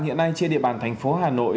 hiện nay trên địa bàn thành phố hà nội